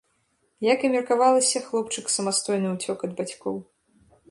Як і меркавалася, хлопчык самастойна ўцёк ад бацькоў.